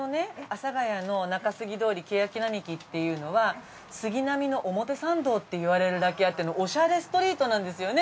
阿佐ヶ谷の中杉通りケヤキ並木っていうのは杉並の表参道っていわれるだけあってオシャレストリートなんですよね。